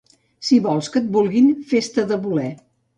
Si vols que et vulguin, fes-te de voler.